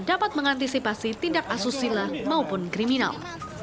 dapat mengantisipasi tindak asusila maupun kriminal